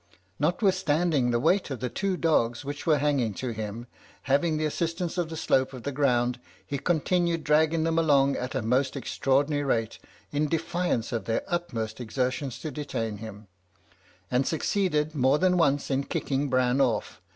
Notwithstanding the weight of the two dogs which were hanging to him, having the assistance of the slope of the ground, he continued dragging them along at a most extraordinary rate (in defiance of their utmost exertions to detain him), and succeeded more than once in kicking Bran off.